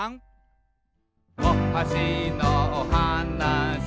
「おはしのおはなし」